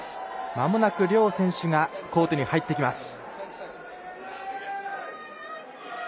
まもなく両選手がコートに入ってきます。